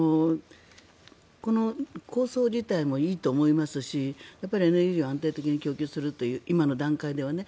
この構想自体もいいと思いますしエネルギーを安定的に供給するという今の段階ではね。